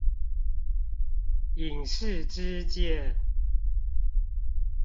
引誓之劍